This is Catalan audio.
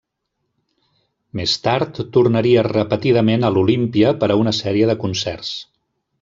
Més tard tornaria repetidament a l'Olympia per a una sèrie de concerts.